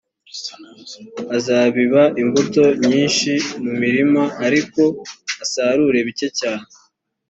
uzabiba imbuto nyinshi mu mirima, ariko usarure bike cyane,